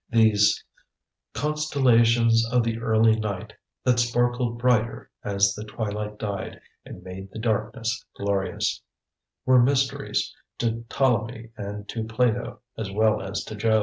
"_ These "Constellations of the early night That sparkled brighter as the twilight died And made the darkness glorious" were mysteries to Ptolemy and to Plato, as well as to Job.